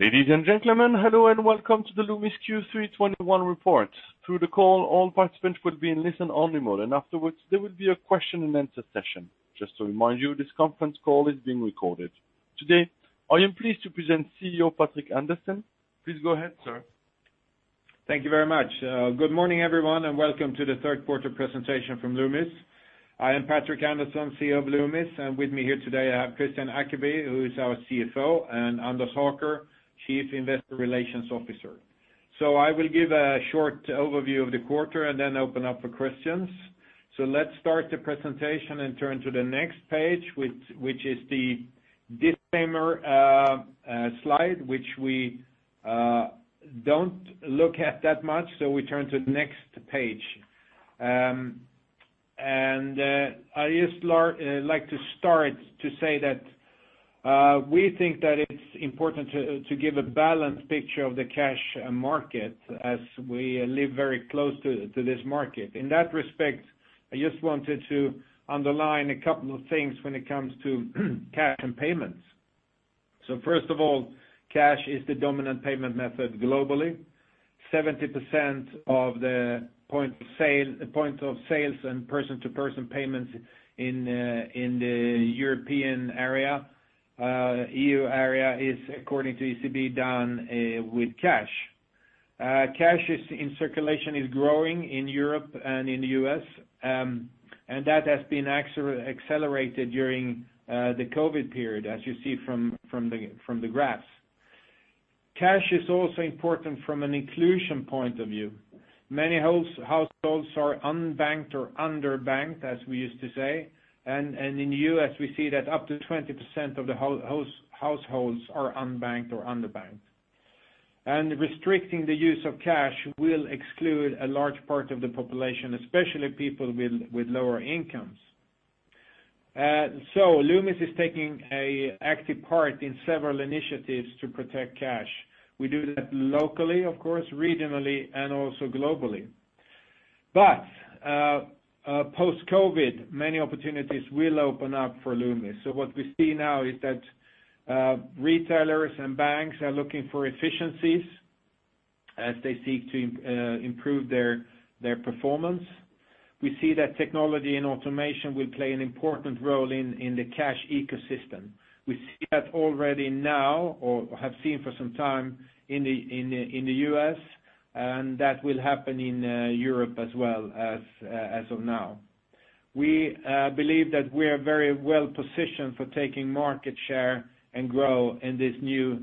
Ladies and gentlemen, hello and welcome to the Loomis Q3 2021 report. Throughout the call, all participants will be in listen-only mode, and afterwards, there will be a question and answer session. Just to remind you, this conference call is being recorded. Today, I am pleased to present CEO Patrik Andersson. Please go ahead, sir. Thank you very much. Good morning, everyone, and welcome to the third quarter presentation from Loomis. I am Patrik Andersson, CEO of Loomis. With me here today, I have Kristian Ackeby, who is our CFO, and Anders Haker, Chief Investor Relations Officer. I will give a short overview of the quarter and then open up for questions. Let's start the presentation and turn to the next page, which is the disclaimer slide, which we don't look at that much, so we turn to the next page. I just like to start to say that we think that it's important to give a balanced picture of the cash market as we live very close to this market. In that respect, I just wanted to underline a couple of things when it comes to cash and payments. First of all, cash is the dominant payment method globally. 70% of the points of sales and person-to-person payments in the European area, E.U. area is, according to ECB, done with cash. Cash in circulation is growing in Europe and in the U.S., and that has been accelerated during the COVID period, as you see from the graphs. Cash is also important from an inclusion point of view. Many households are unbanked or underbanked, as we used to say. In the U.S., we see that up to 20% of the households are unbanked or underbanked. Restricting the use of cash will exclude a large part of the population, especially people with lower incomes. Loomis is taking an active part in several initiatives to protect cash. We do that locally, of course, regionally, and also globally. Post-COVID, many opportunities will open up for Loomis. What we see now is that retailers and banks are looking for efficiencies as they seek to improve their performance. We see that technology and automation will play an important role in the cash ecosystem. We see that already now or have seen for some time in the U.S., and that will happen in Europe as well as of now. We believe that we are very well positioned for taking market share and grow in this new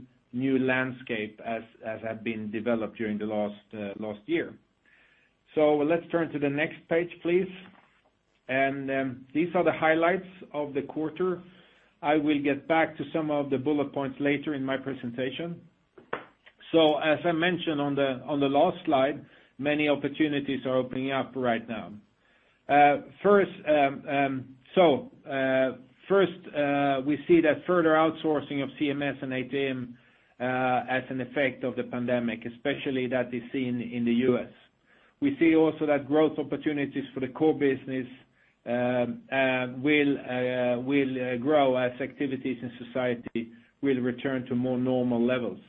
landscape as have been developed during the last year. Let's turn to the next page, please. These are the highlights of the quarter. I will get back to some of the bullet points later in my presentation. As I mentioned on the last slide, many opportunities are opening up right now. First, we see that further outsourcing of CMS and ATM as an effect of the pandemic, especially that is seen in the U.S. We see also that growth opportunities for the core business will grow as activities in society will return to more normal levels.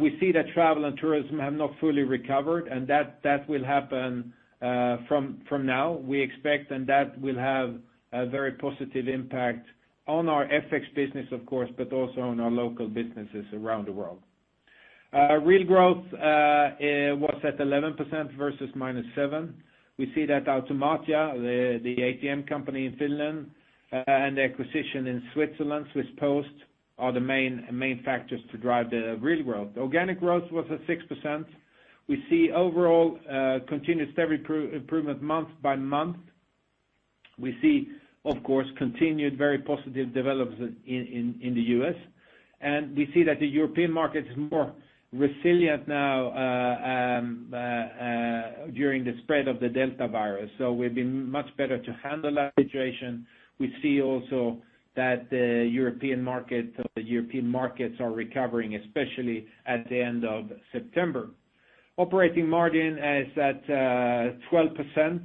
We see that travel and tourism have not fully recovered, and that will happen from now. We expect and that will have a very positive impact on our FX business, of course, but also on our local businesses around the world. Real growth was at 11% versus -7%. We see that Automatia, the ATM company in Finland, and the acquisition in Switzerland, Swiss Post, are the main factors to drive the real growth. Organic growth was at 6%. We see overall continuous steady price improvement month by month. We see, of course, continued very positive development in the U.S. We see that the European market is more resilient now during the spread of the Delta virus. We've been much better to handle that situation. We see also that the European markets are recovering, especially at the end of September. Operating margin is at 12%,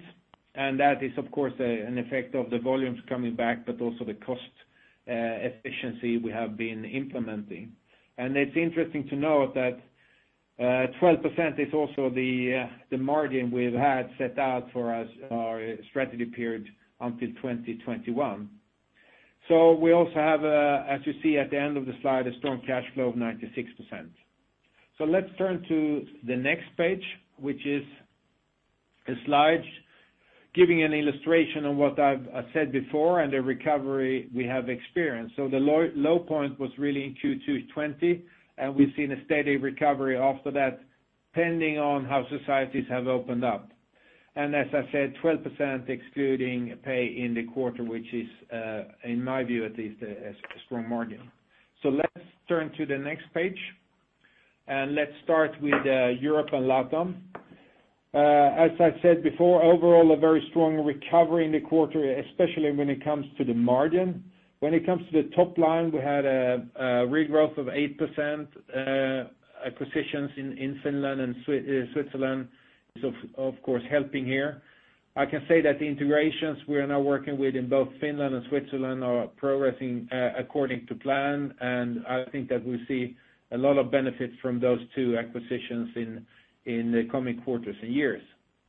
and that is, of course, an effect of the volumes coming back, but also the cost efficiency we have been implementing. It's interesting to note that 12% is also the margin we've had set out for our strategy period until 2021. We also have, as you see at the end of the slide, a strong cash flow of 96%. Let's turn to the next page, which is a slide giving an illustration on what I said before and the recovery we have experienced. The low point was really in Q2 2020, and we've seen a steady recovery after that, depending on how societies have opened up. As I said, 12% excluding pay in the quarter, which is, in my view, at least a strong margin. Let's turn to the next page, and let's start with Europe and LatAm, as I said before, overall a very strong recovery in the quarter, especially when it comes to the margin. When it comes to the top line, we had a regrowth of 8%, acquisitions in Finland and Switzerland are of course helping here. I can say that the integrations we are now working with in both Finland and Switzerland are progressing according to plan, and I think that we see a lot of benefits from those two acquisitions in the coming quarters and years.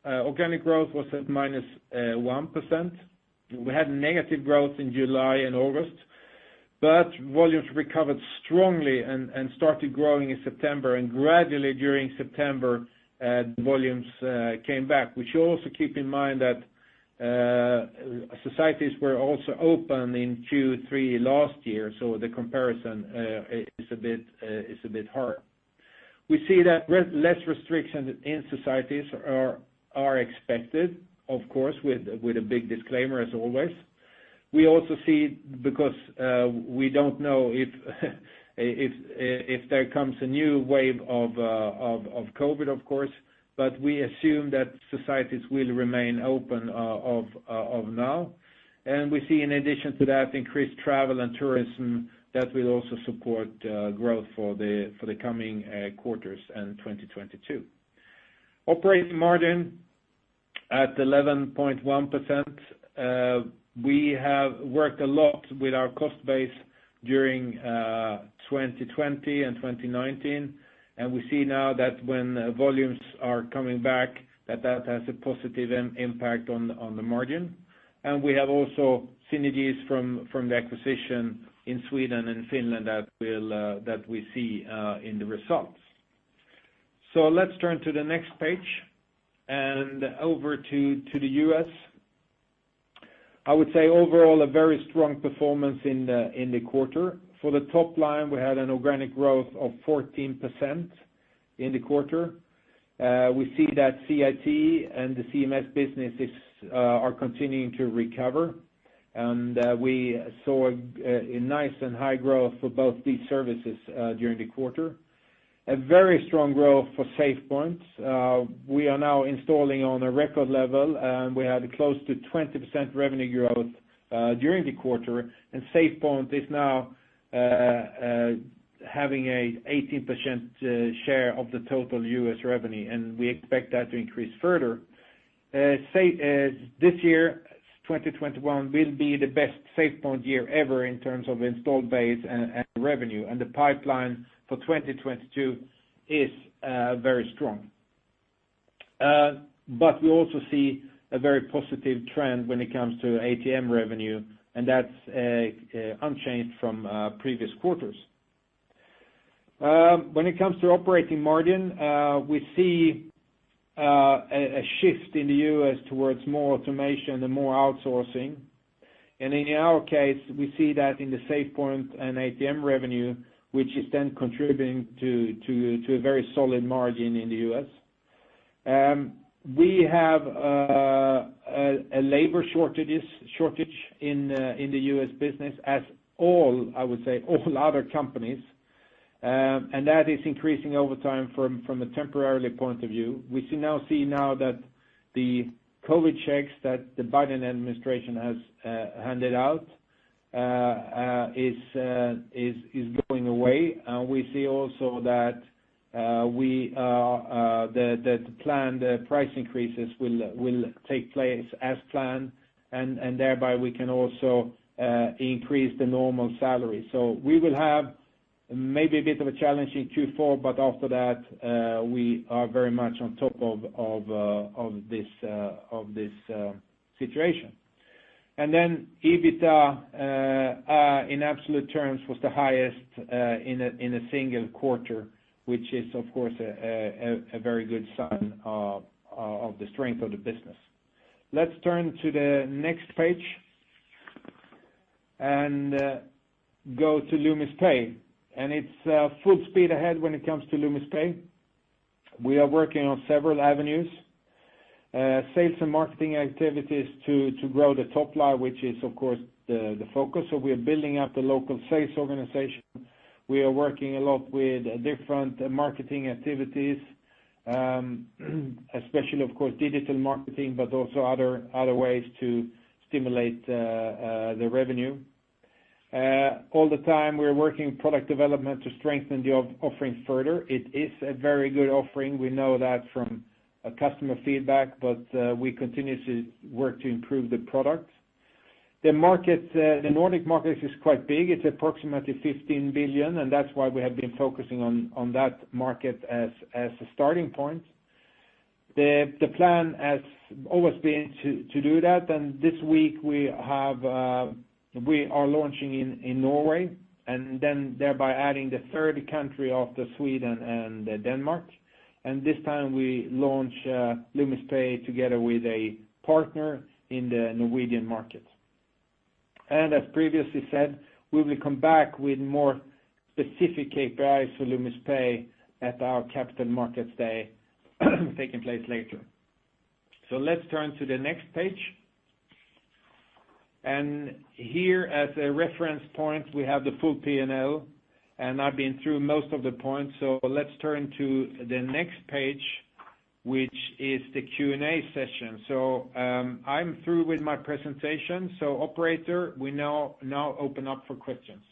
Organic growth was at minus 1%. We had negative growth in July and August, but volumes recovered strongly and started growing in September, and gradually during September, volumes came back, which you also keep in mind that societies were also open in Q3 last year, so the comparison is a bit hard. We see that less restrictions in societies are expected, of course, with a big disclaimer, as always. We also see because we don't know if there comes a new wave of COVID, of course, but we assume that societies will remain open of now. We see in addition to that increased travel and tourism that will also support growth for the coming quarters and 2022. Operating margin at 11.1%, we have worked a lot with our cost base during 2020 and 2019, and we see now that when volumes are coming back, that has a positive impact on the margin. We have also synergies from the acquisition in Sweden and Finland that we see in the results. Let's turn to the next page and over to the U.S. I would say overall a very strong performance in the quarter. For the top line, we had an organic growth of 14% in the quarter. We see that CIT and the CMS businesses are continuing to recover, and we saw a nice and high growth for both these services during the quarter. A very strong growth for SafePoint. We are now installing on a record level, and we had close to 20% revenue growth during the quarter, and SafePoint is now having an 18% share of the total U.S. revenue, and we expect that to increase further. This year, 2021, will be the best SafePoint year ever in terms of installed base and revenue, and the pipeline for 2022 is very strong. We also see a very positive trend when it comes to ATM revenue, and that's unchanged from previous quarters. When it comes to operating margin, we see a shift in the U.S. towards more automation and more outsourcing. In our case, we see that in the SafePoint and ATM revenue, which is then contributing to a very solid margin in the U.S. We have a labor shortage in the U.S. business as all other companies, and that is increasing over time from a temporary point of view. We see now that the COVID checks that the Biden administration has handed out is going away. We see also that the planned price increases will take place as planned, and thereby we can also increase the normal salary. We will have maybe a bit of a challenge in Q4, but after that, we are very much on top of this situation. Then EBITDA in absolute terms was the highest in a single quarter, which is, of course, a very good sign of the strength of the business. Let's turn to the next page and go to Loomis Pay. It's full speed ahead when it comes to Loomis Pay. We are working on several avenues. Sales and marketing activities to grow the top line, which is, of course, the focus. We are building up the local sales organization. We are working a lot with different marketing activities, especially, of course, digital marketing, but also other ways to stimulate the revenue. All the time, we are working product development to strengthen the offering further. It is a very good offering. We know that from customer feedback, but we continue to work to improve the product. The market, the Nordic market is quite big. It's approximately 15 billion, and that's why we have been focusing on that market as a starting point. The plan has always been to do that, and this week we are launching in Norway and then thereby adding the third country after Sweden and Denmark. This time we launch Loomis Pay together with a partner in the Norwegian market. As previously said, we will come back with more specific KPIs for Loomis Pay at our Capital Markets Day taking place later. Let's turn to the next page. Here as a reference point, we have the full P&L, and I've been through most of the points, so let's turn to the next page, which is the Q&A session. I'm through with my presentation, so operator, we now open up for questions.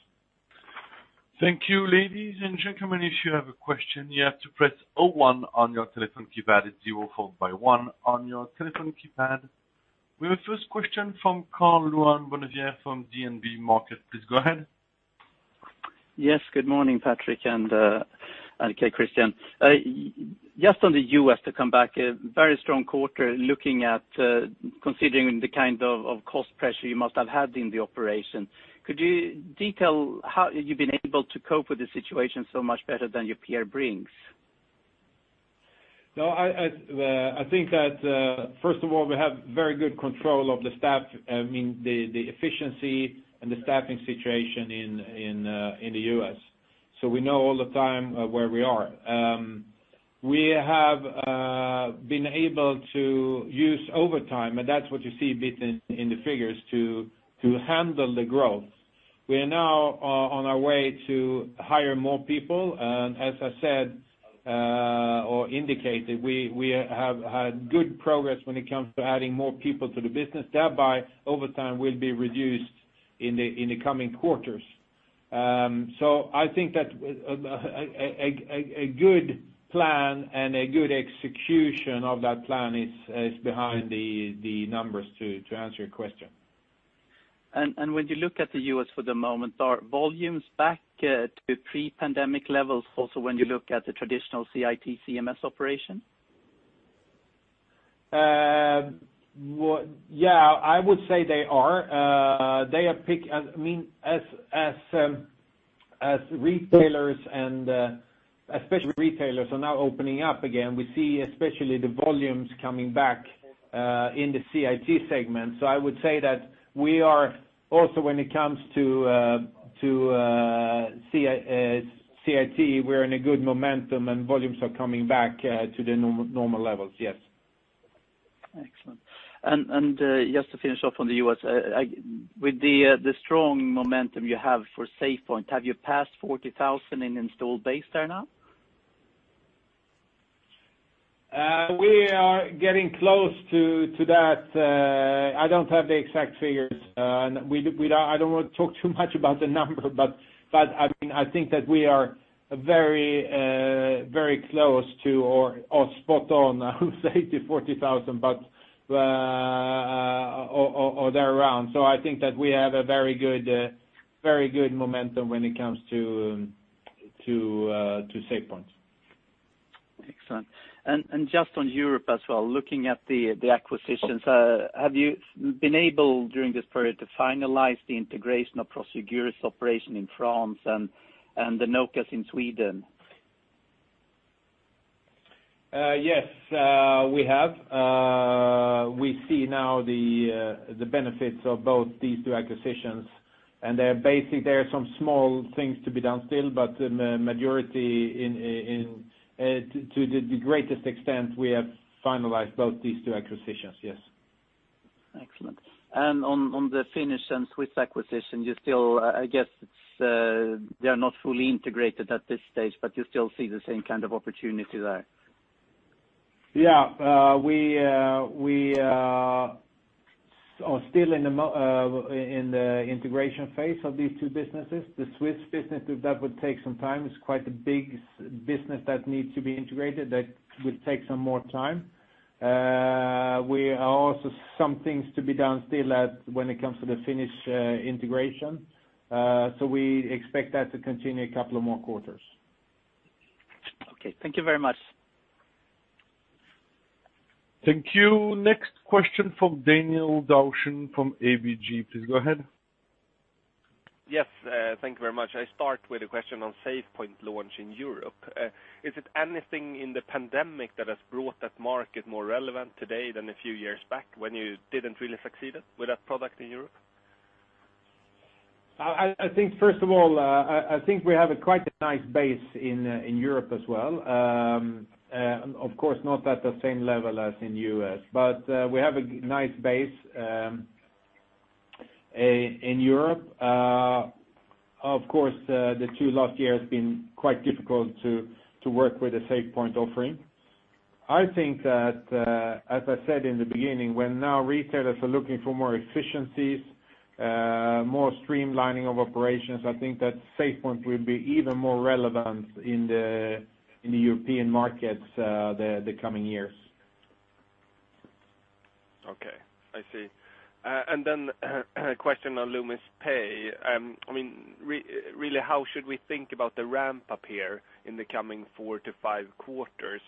Thank you. Ladies and gentlemen, if you have a question, you have to press zero-one on your telephone keypad. It's zero followed by one on your telephone keypad. We have our first question from Karl-Johan Bonnevier from DNB Markets. Please go ahead. Yes, good morning, Patrik Andersson and Kristian Ackeby. Just on the U.S. to come back, a very strong quarter looking at, considering the kind of cost pressure you must have had in the operation. Could you detail how you've been able to cope with the situation so much better than your peer Brink's? No, I think that, first of all, we have very good control of the staff, I mean, the efficiency and the staffing situation in the U.S. We know all the time where we are. We have been able to use overtime, and that's what you see a bit in the figures to handle the growth. We are now on our way to hire more people, and as I said, or indicated, we have had good progress when it comes to adding more people to the business. Thereby, overtime will be reduced in the coming quarters. I think that a good plan and a good execution of that plan is behind the numbers to answer your question. When you look at the U.S. for the moment, are volumes back to pre-pandemic levels also when you look at the traditional CIT CMS operation? Yeah, I would say they are. I mean, as retailers and especially retailers are now opening up again, we see especially the volumes coming back in the CIT segment. I would say that we are also when it comes to CIT, we're in a good momentum, and volumes are coming back to the normal levels, yes. Excellent. Just to finish off on the U.S., with the strong momentum you have for SafePoint, have you passed 40,000 in installed base there now? We are getting close to that. I don't have the exact figures. I don't want to talk too much about the numbers. I mean, I think that we are very close to or spot on, I would say, to 40,000 or there around. I think that we have a very good momentum when it comes to SafePoint. Excellent. Just on Europe as well, looking at the acquisitions, have you been able during this period to finalize the integration of Prosegur's operation in France and the Nokas in Sweden? Yes, we have. We see now the benefits of both these two acquisitions, and there are some small things to be done still, but the majority, to the greatest extent, we have finalized both these two acquisitions. Yes. Excellent. On the Finnish and Swiss acquisition, you still, I guess it's, they are not fully integrated at this stage, but you still see the same kind of opportunity there. Yeah. We are still in the integration phase of these two businesses. The Swiss business, that would take some time. It's quite a big business that needs to be integrated that will take some more time. We also have some things to be done still when it comes to the Finnish integration, so we expect that to continue a couple of more quarters. Okay, thank you very much. Thank you. Next question from Daniel Thorsson from ABG. Please go ahead. Yes, thank you very much. I start with a question on SafePoint launch in Europe. Is it anything in the pandemic that has brought that market more relevant today than a few years back when you didn't really succeed it with that product in Europe? I think, first of all, I think we have quite a nice base in Europe as well. Of course, not at the same level as in U.S., but we have a nice base in Europe. Of course, the last two years have been quite difficult to work with the SafePoint offering. I think that, as I said in the beginning, now retailers are looking for more efficiencies, more streamlining of operations, I think that SafePoint will be even more relevant in the European markets, the coming years. Okay, I see. A question on Loomis Pay. I mean, really, how should we think about the ramp up here in the coming four to five quarters?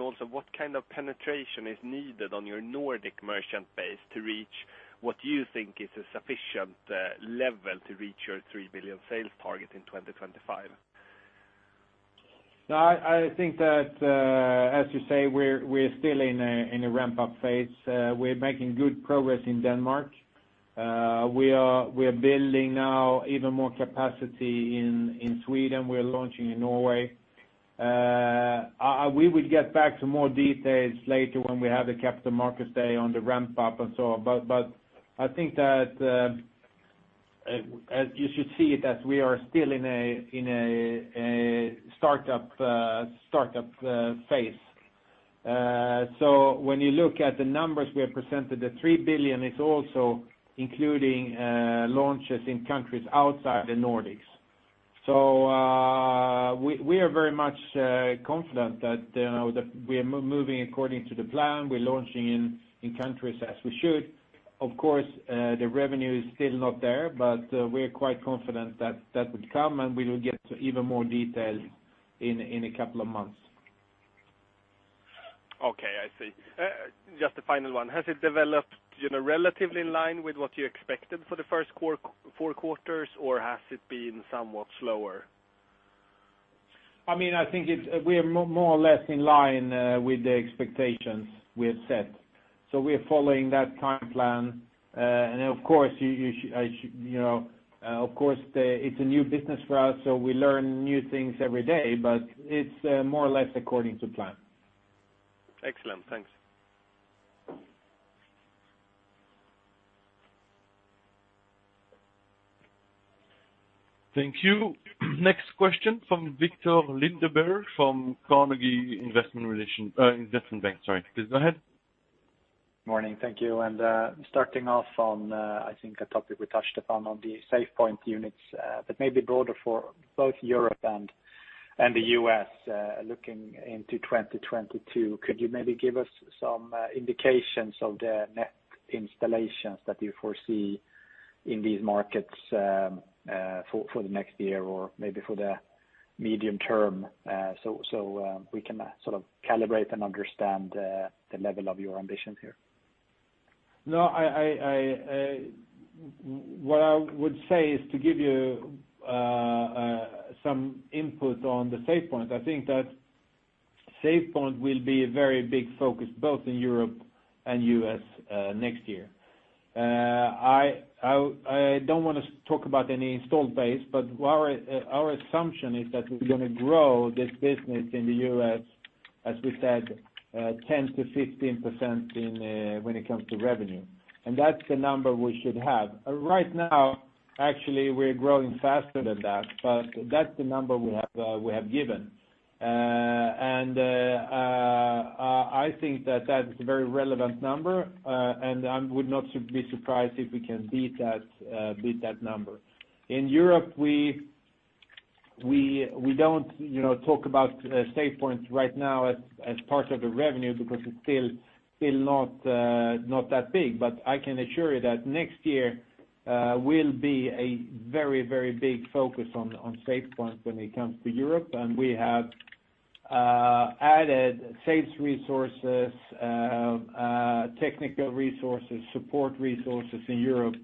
Also, what kind of penetration is needed on your Nordic merchant base to reach what you think is a sufficient level to reach your 3 billion sales target in 2025? No, I think that, as you say, we're still in a ramp-up phase. We're making good progress in Denmark. We are building now even more capacity in Sweden. We're launching in Norway. We will get back to more details later when we have the Capital Markets Day on the ramp-up and so on. I think that, as you should see it, as we are still in a startup phase. When you look at the numbers we have presented, 3 billion is also including launches in countries outside the Nordics. We are very much confident that we are moving according to the plan. We're launching in countries as we should. Of course, the revenue is still not there, but we're quite confident that that would come, and we will get to even more detail in a couple of months. Okay, I see. Just a final one. Has it developed, you know, relatively in line with what you expected for the first four quarters, or has it been somewhat slower? I mean, I think we are more or less in line with the expectations we have set. We're following that time plan. Of course, you know, of course, it's a new business for us, so we learn new things every day, but it's more or less according to plan. Excellent. Thanks. Thank you. Next question from Viktor Lindeberg, from Carnegie Investment Bank. Sorry. Please go ahead. Morning. Thank you. Starting off on, I think a topic we touched upon the SafePoint units, but maybe broader for both Europe and the U.S., looking into 2022, could you maybe give us some indications of the net installations that you foresee in these markets, for the next year or maybe for the medium term? So we can sort of calibrate and understand the level of your ambitions here. No, what I would say is to give you some input on the SafePoint. I think that SafePoint will be a very big focus both in Europe and U.S. next year. I don't want to talk about any installed base, but our assumption is that we're gonna grow this business in the U.S., as we said, 10%-15% when it comes to revenue, and that's the number we should have. Right now, actually, we're growing faster than that, but that's the number we have given. I think that that's a very relevant number, and I would not be surprised if we can beat that number. In Europe, we don't, you know, talk about SafePoint right now as part of the revenue because it's still not that big. I can assure you that next year will be a very, very big focus on SafePoint when it comes to Europe. We have added sales resources, technical resources, support resources in Europe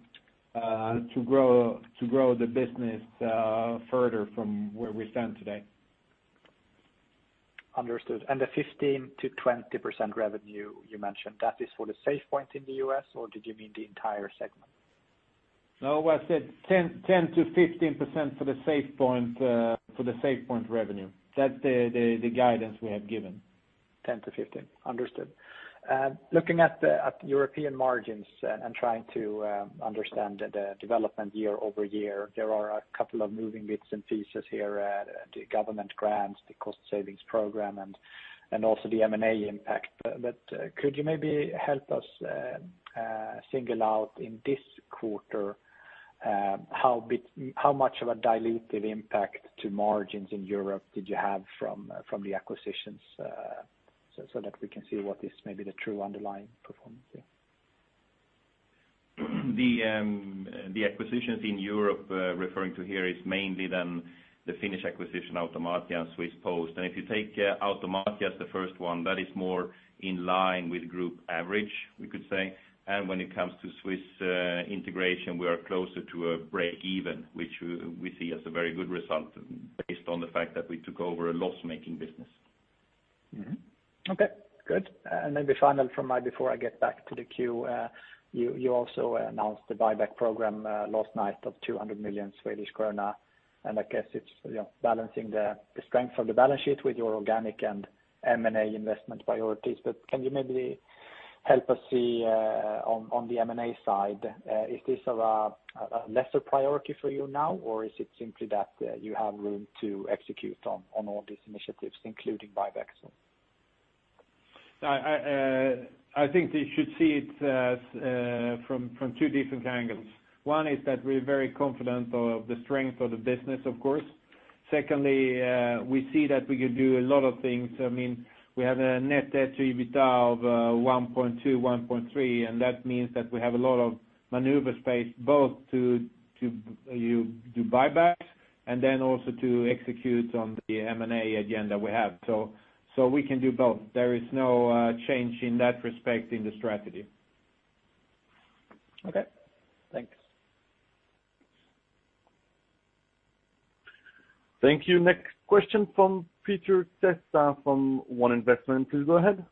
to grow the business further from where we stand today. Understood. The 15%-20% revenue you mentioned, that is for the SafePoint in the U.S., or did you mean the entire segment? No, I said 10%-15% for the SafePoint revenue. That's the guidance we have given. 10%-15%. Understood. Looking at the European margins and trying to understand the development year-over-year, there are a couple of moving bits and pieces here, the government grants, the cost savings program and also the M&A impact. Could you maybe help us single out in this quarter how much of a dilutive impact to margins in Europe did you have from the acquisitions so that we can see what is maybe the true underlying performance here? The acquisitions in Europe referring to here is mainly the Finnish acquisition, Automatia, and Swiss Post. If you take Automatia as the first one, that is more in line with Group average, we could say. When it comes to Swiss integration, we are closer to a break-even, which we see as a very good result based on the fact that we took over a loss-making business. Mm-hmm. Okay, good. Maybe final from me before I get back to the queue, you also announced the buyback program last night of 200 million Swedish krona. I guess it's balancing the strength of the balance sheet with your organic and M&A investment priorities. Can you maybe help us see on the M&A side, is this of a lesser priority for you now, or is it simply that you have room to execute on all these initiatives, including buybacks? I think you should see it as from two different angles. One is that we're very confident of the strength of the business, of course. Secondly, we see that we could do a lot of things. I mean, we have a net debt to EBITDA of 1.2-1.3, and that means that we have a lot of maneuver space both to do buybacks and then also to execute on the M&A agenda we have. So we can do both. There is no change in that respect in the strategy. Okay, thanks. Thank you. Next question from Peter Testa from ONE Investments. Please go ahead.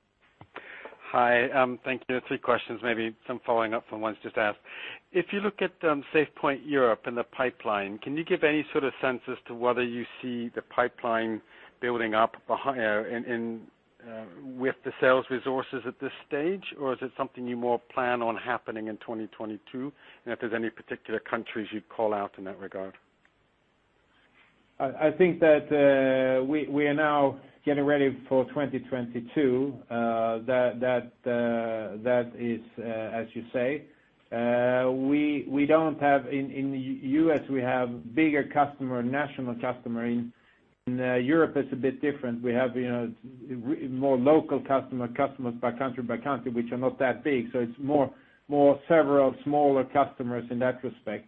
Hi. Thank you. Three questions, maybe some following up from ones just asked. If you look at SafePoint Europe and the pipeline, can you give any sort of sense as to whether you see the pipeline building up with the sales resources at this stage? Or is it something you more plan on happening in 2022? If there's any particular countries you'd call out in that regard. I think that we are now getting ready for 2022, that is, as you say, we don't have in the U.S. we have bigger customer, national customer. In Europe it's a bit different. We have, you know, more local customers by country, which are not that big. So it's more several smaller customers in that respect.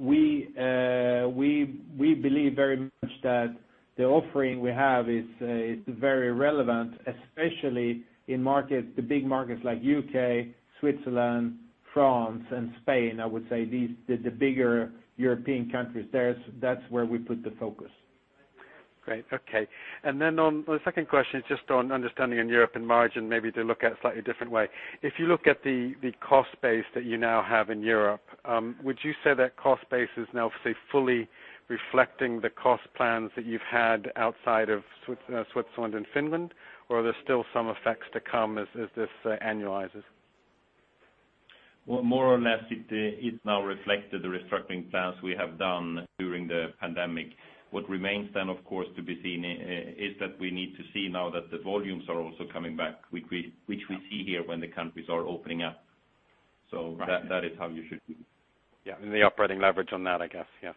We believe very much that the offering we have is very relevant, especially in markets, the big markets like U.K., Switzerland, France, and Spain. I would say these, the bigger European countries, that's where we put the focus. Great. Okay. On the second question is just on understanding in Europe and margin, maybe to look at slightly different way. If you look at the cost base that you now have in Europe, would you say that cost base is now, say, fully reflecting the cost plans that you've had outside of Switzerland and Finland? Or are there still some effects to come as this annualizes? Well, more or less, it is now reflecting the restructuring plans we have done during the pandemic. What remains then, of course, to be seen is that we need to see now that the volumes are also coming back, which we see here when the countries are opening up. Right. That is how you should view. Yeah. The operating leverage on that, I guess. Yes.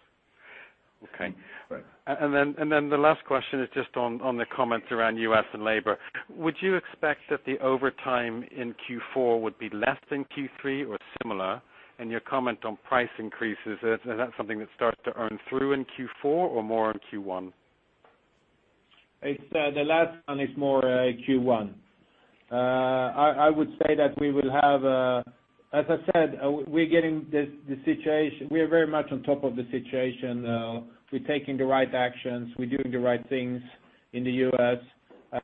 Okay. Right. The last question is just on the comments around U.S. and labor. Would you expect that the overtime in Q4 would be less than Q3 or similar? Your comment on price increases, is that something that starts to earn through in Q4 or more in Q1? It's the last one is more Q1. I would say that we will have. As I said, we are very much on top of the situation. We're taking the right actions, we're doing the right things in the U.S.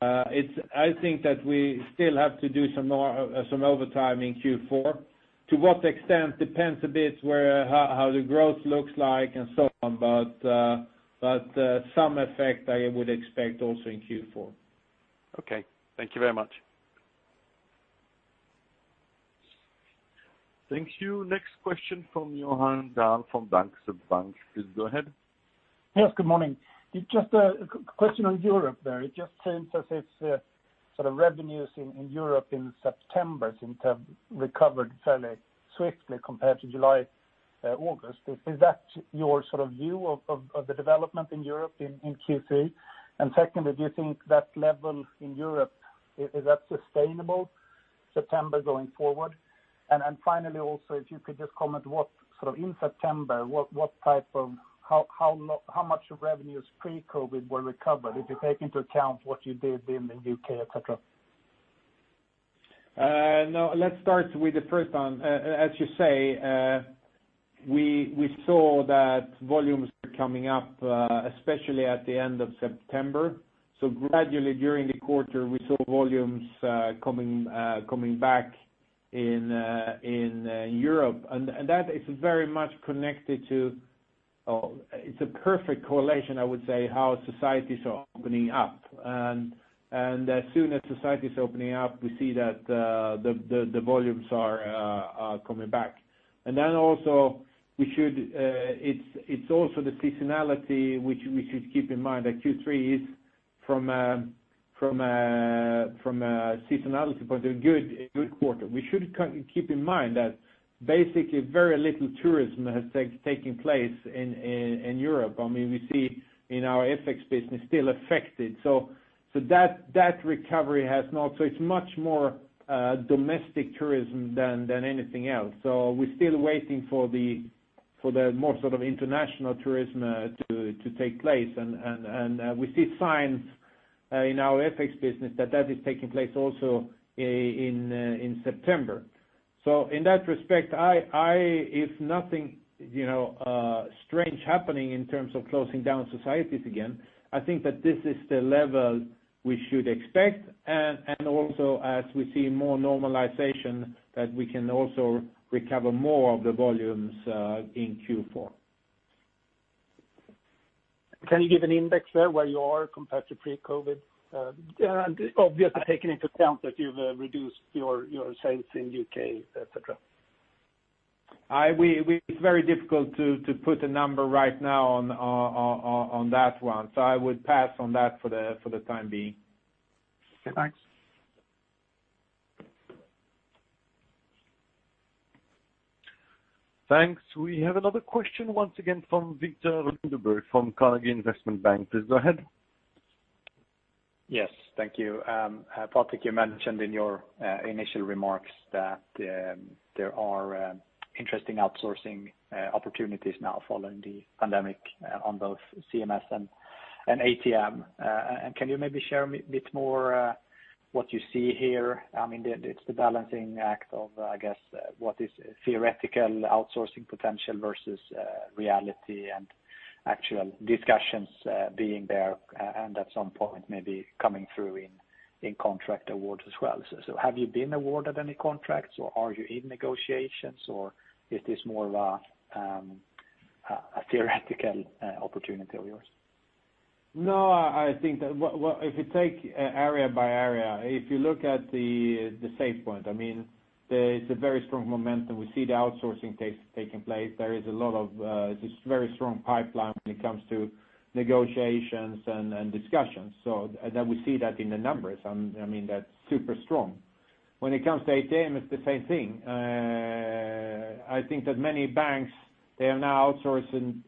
I think that we still have to do some more overtime in Q4. To what extent depends a bit where, how the growth looks like and so on. Some effect I would expect also in Q4. Okay. Thank you very much. Thank you. Next question from Johan Dahl from Danske Bank. Please go ahead. Yes, good morning. Just a question on Europe there. It just seems as if sort of revenues in Europe in September seem to have recovered fairly swiftly compared to July, August. Is that your sort of view of the development in Europe in Q3? Secondly, do you think that level in Europe is sustainable September going forward? Finally, also, if you could just comment what sort of in September how much of revenues pre-COVID were recovered if you take into account what you did in the U.K., et cetera? No, let's start with the first one. As you say, we saw that volumes are coming up, especially at the end of September. Gradually during the quarter, we saw volumes coming back in Europe. That is very much connected to. Well, it's a perfect correlation, I would say, how societies are opening up. As soon as society is opening up, we see that the volumes are coming back. We should keep in mind, it's also the seasonality which we should keep in mind, that Q3 is from a seasonality point, a good quarter. We should keep in mind that basically very little tourism has taken place in Europe. I mean, we see in our FX business still affected. That recovery has not. It's much more domestic tourism than anything else. We're still waiting for the more sort of international tourism to take place. We see signs in our FX business that that is taking place also in September. In that respect, if nothing, you know, strange happening in terms of closing down societies again, I think that this is the level we should expect, and also as we see more normalization, that we can also recover more of the volumes in Q4. Can you give an index there where you are compared to pre-COVID? Obviously taking into account that you've reduced your sales in U.K., et cetera. It's very difficult to put a number right now on that one. So I would pass on that for the time being. Okay, thanks. Thanks. We have another question once again from Viktor Lindeberg from Carnegie Investment Bank. Please go ahead. Yes, thank you. Patrik, you mentioned in your initial remarks that there are interesting outsourcing opportunities now following the pandemic on both CMS and ATM. Can you maybe share a bit more what you see here? I mean, it's the balancing act of, I guess, what is theoretical outsourcing potential versus reality and actual discussions being there and at some point, maybe coming through in contract awards as well. Have you been awarded any contracts or are you in negotiations, or is this more of a theoretical opportunity of yours? No, I think that. Well, if you take area by area, if you look at the SafePoint, I mean, there is a very strong momentum. We see the outsourcing taking place. There is a lot of this very strong pipeline when it comes to negotiations and discussions. That we see that in the numbers. I mean, that's super strong. When it comes to ATM, it's the same thing. I think that many banks, they are now outsourcing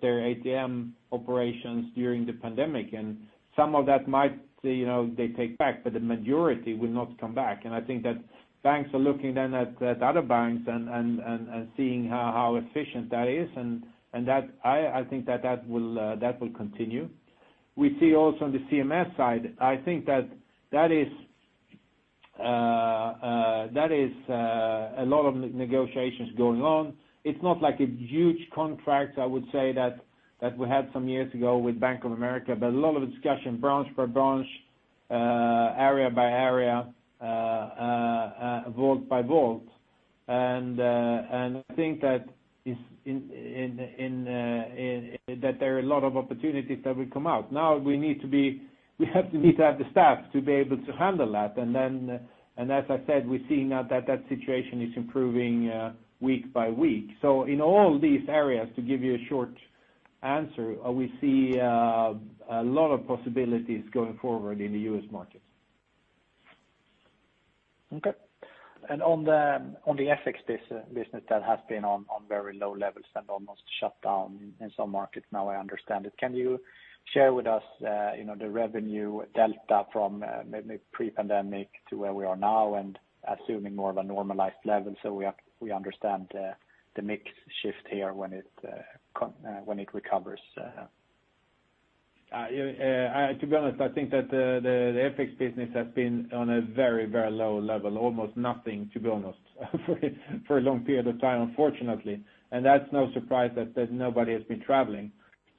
their ATM operations during the pandemic, and some of that might, you know, they take back, but the majority will not come back. I think that banks are looking then at other banks and seeing how efficient that is. That I think that will continue. We see also on the CMS side. I think that is a lot of negotiations going on. It's not like a huge contract, I would say, that we had some years ago with Bank of America, but a lot of discussion branch per branch, area by area, vault by vault. I think that there are a lot of opportunities that will come out. Now we need to have the staff to be able to handle that. As I said, we're seeing that situation is improving week by week. In all these areas, to give you a short answer, we see a lot of possibilities going forward in the U.S. market. Okay. On the FX business that has been on very low levels and almost shut down in some markets now I understand it. Can you share with us, you know, the revenue delta from maybe pre-pandemic to where we are now and assuming more of a normalized level so we understand the mix shift here when it recovers? To be honest, I think that the FX business has been on a very, very low level, almost nothing, to be honest, for a long period of time, unfortunately. That's no surprise that nobody has been traveling.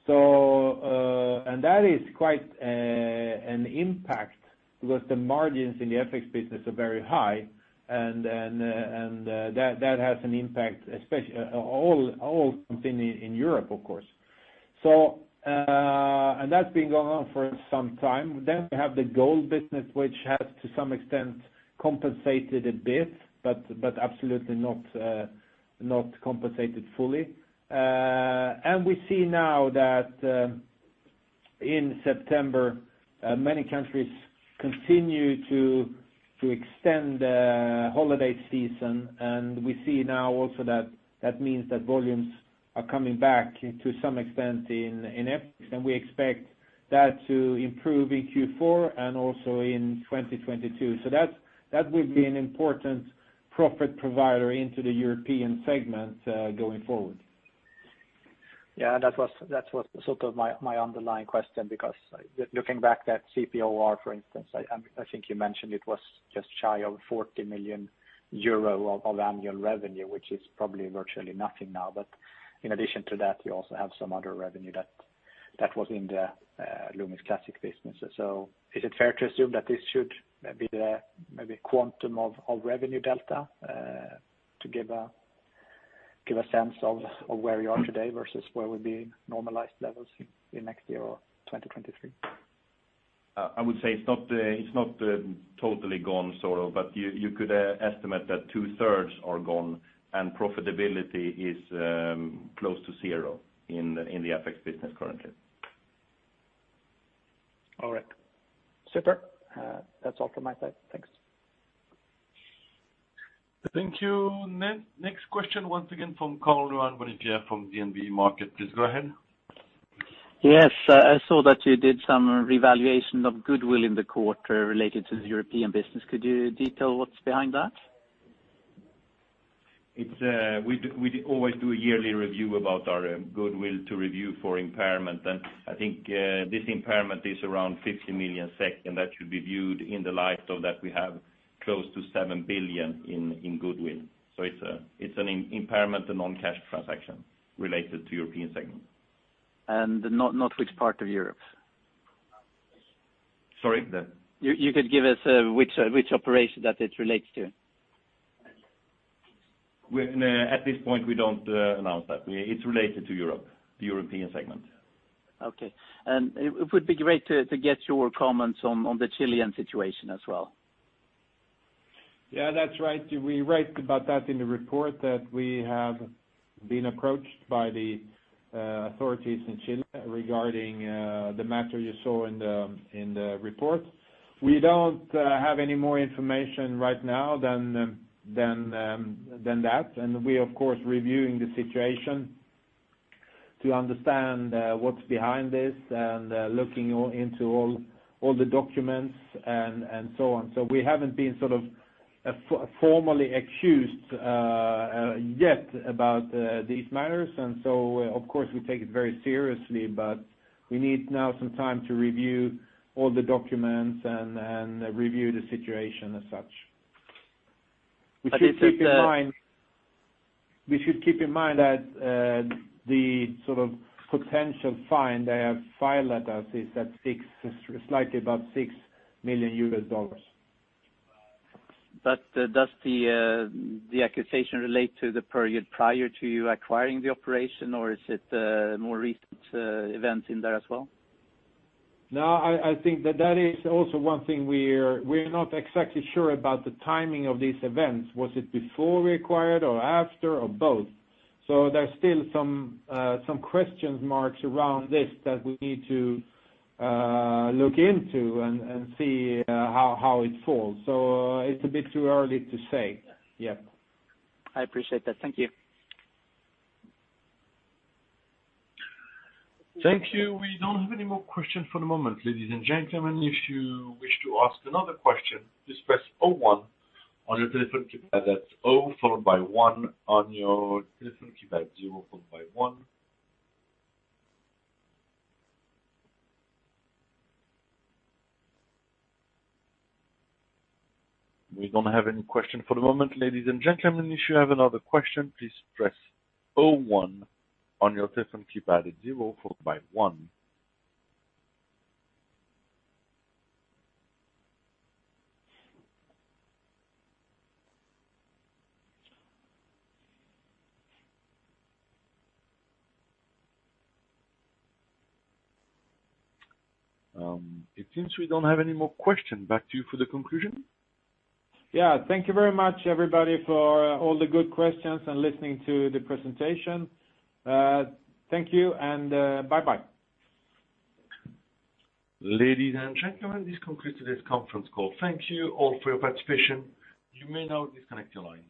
That is quite an impact because the margins in the FX business are very high and that has an impact, especially all companies in Europe, of course. That's been going on for some time. We have the gold business, which has to some extent compensated a bit, but absolutely not compensated fully. We see now that in September many countries continue to extend holiday season. We see now also that means that volumes are coming back to some extent in FX, and we expect that to improve in Q4 and also in 2022. That will be an important profit provider into the European segment, going forward. Yeah, that was sort of my underlying question because looking back that CPoR, for instance, I think you mentioned it was just shy of 40 million euro of annual revenue, which is probably virtually nothing now. In addition to that, you also have some other revenue that was in the Loomis Classic business. Is it fair to assume that this should be the maybe quantum of revenue delta to give a sense of where you are today versus where would be normalized levels in next year or 2023? I would say it's not totally gone, sort of, but you could estimate that two-thirds are gone and profitability is close to zero in the FX business currently. All right. Super. That's all from my side. Thanks. Thank you. Next question once again from Karl-Johan Bonnevier from DNB Markets. Please go ahead. Yes. I saw that you did some revaluation of goodwill in the quarter related to the European business. Could you detail what's behind that? We always do a yearly review about our goodwill to review for impairment. I think this impairment is around 50 million SEK, and that should be viewed in the light of that we have close to 7 billion in goodwill. It's an impairment and non-cash transaction related to European segment. Not which part of Europe? Sorry? You could give us which operation that it relates to? At this point, we don't announce that. It's related to Europe, the European segment. Okay. It would be great to get your comments on the Chilean situation as well. Yeah, that's right. We write about that in the report that we have been approached by the authorities in Chile regarding the matter you saw in the report. We don't have any more information right now than that. We, of course, reviewing the situation to understand what's behind this and looking into all the documents and so on. We haven't been sort of formally accused yet about these matters. Of course, we take it very seriously, but we need now some time to review all the documents and review the situation as such. We should keep in mind that the sort of potential fine they have filed at us is slightly above $6 million. Does the accusation relate to the period prior to you acquiring the operation, or is it more recent events in there as well? No, I think that is also one thing we're not exactly sure about the timing of these events. Was it before we acquired or after or both? There's still some question marks around this that we need to look into and see how it falls. It's a bit too early to say. Yep. I appreciate that. Thank you. Thank you. We don't have any more questions for the moment, ladies and gentlemen. If you wish to ask another question, please press oh-one on your telephone keypad. That's O followed by one on your telephone keypad, zero followed one. We don't have any question for the moment, ladies and gentlemen. If you have another question, please press oh-one on your telephone keypad, it's zero followed by one. It seems we don't have any more question. Back to you for the conclusion. Yeah. Thank you very much, everybody, for all the good questions and listening to the presentation. Thank you and, bye-bye. Ladies and gentlemen, this concludes today's conference call. Thank you all for your participation. You may now disconnect your lines.